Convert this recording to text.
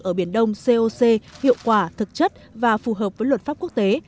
ở biển đông coc hiệu quả thực chất và phù hợp với luật pháp quốc tế